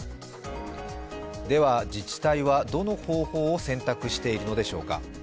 では、自治体はどの方法を選択しているのでしょうか。